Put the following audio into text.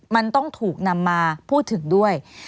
มันต้องถูกนำมาพูดถึงด้วย